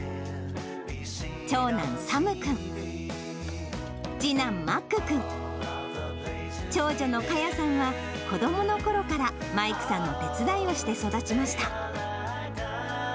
長男、サム君、次男、マック君、長女のカヤさんは、子どものころからマイクさんの手伝いをして育ちました。